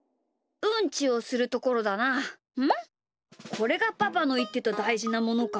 これがパパのいってただいじなものか。